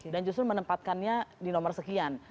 dan justru menempatkannya di nomor sekian